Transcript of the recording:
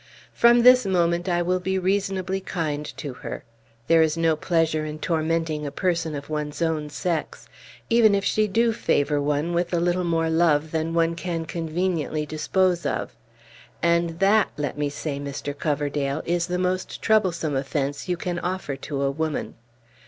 From this moment I will be reasonably kind to her. There is no pleasure in tormenting a person of one's own sex, even if she do favor one with a little more love than one can conveniently dispose of; and that, let me say, Mr. Coverdale, is the most troublesome offence you can offer to a woman."